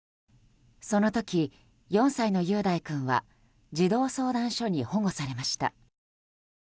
その時、４歳の雄大君は児童相談所に保護されました。